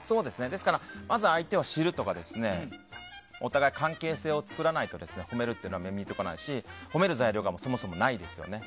ですからまずは相手を知るとかお互いに関係性を作らないと褒めるっていうのは見えてこないし褒める材料がそもそもないですよね。